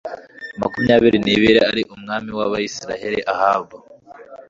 makumyabiri n ibiri ari umwami wa Isirayeli Ahabu